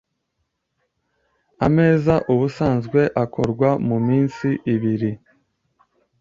Ameza ubusanzwe akorwa mu minsi ibiri,